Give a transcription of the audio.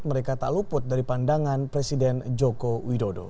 mereka tak luput dari pandangan presiden joko widodo